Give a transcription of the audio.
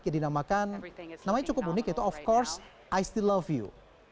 jadi namanya cukup unik itu of course i still love you